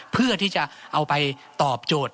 เพื่อที่จะเอาไปตอบโจทย์